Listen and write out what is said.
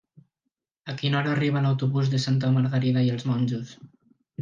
A quina hora arriba l'autobús de Santa Margarida i els Monjos?